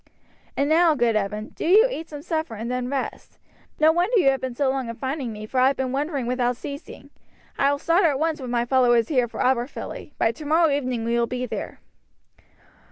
"And now, good Evan, do you eat some supper, and then rest. No wonder you have been so long in finding me, for I have been wandering without ceasing. I will start at once with my followers here for Aberfilly; by tomorrow evening we will be there."